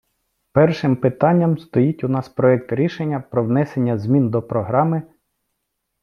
Першим питанням стоїть у нас проект рішення "Про внесення змін до Програми...